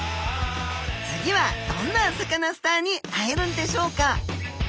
次はどんなサカナスターに会えるんでしょうか？